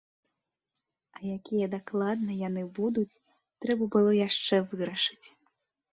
А якія дакладна яны будуць, трэба было яшчэ вырашыць.